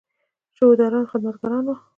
شودران خدمتګاران وو.